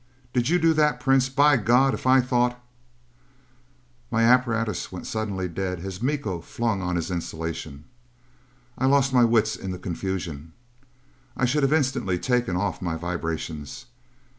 Did you do that, Prince? By God, if I thought " My apparatus went suddenly dead as Miko flung on his insulation. I lost my wits in the confusion: I should have instantly taken off my vibrations.